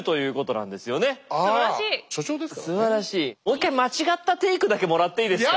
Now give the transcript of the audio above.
もう一回間違ったテークだけもらっていいですか？